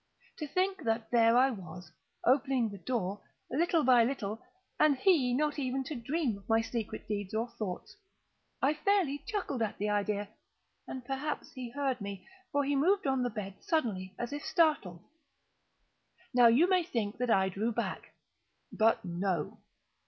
To think that there I was, opening the door, little by little, and he not even to dream of my secret deeds or thoughts. I fairly chuckled at the idea; and perhaps he heard me; for he moved on the bed suddenly, as if startled. Now you may think that I drew back—but no.